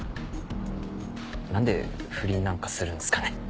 何で不倫なんかするんすかね。